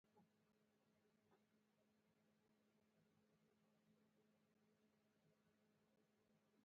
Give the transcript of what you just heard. په دغه وخت کې د ماپښین لمانځه وخت شو.